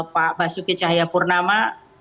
pak basuki cahayapurnama